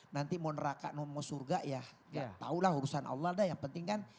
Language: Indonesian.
nanti mau neraka mau surga ya tahulah urusan allah dah yang penting kan